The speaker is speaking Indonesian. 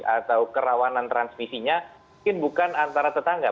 atau kerawanan transmisinya mungkin bukan antara tetangga